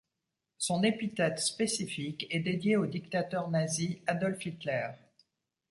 Son épithète spécifique est dédié au dictateur nazi Adolf Hitler.